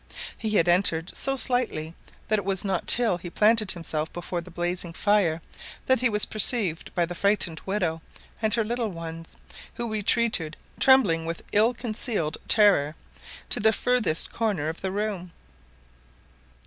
He had entered so silently that it was not till he planted himself before the blazing fire that he was perceived by the frightened widow and her little ones, who retreated, trembling with ill concealed terror to the furthest corner of the room.